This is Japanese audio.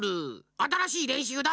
あたらしいれんしゅうだ！